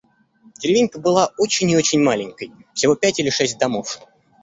Деревенька была очень и очень маленькой, всего пять или шесть домов.